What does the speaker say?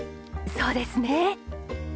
そうですね！